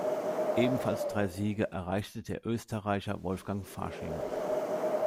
Ebenfalls drei Siege erreichte der Österreicher Wolfgang Fasching.